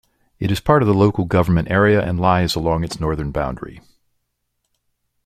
It is part of the local government area, and lies along its northern boundary.